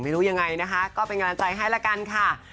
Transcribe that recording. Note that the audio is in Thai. ไม่รู้ยังไงนะคะก็เป็นกำลังใจให้ละกันค่ะ